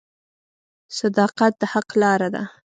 • صداقت د حق لاره ده.